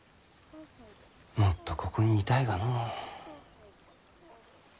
もっとここにいたいがのう。